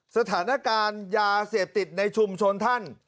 สถานการณ์ยาเสพติดในชุมชนท่าน